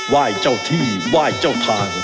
วาดเจ้าที่วาดเจ้าทาง